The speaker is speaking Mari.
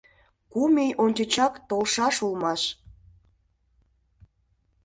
Кум ий ончычак толшаш улмаш.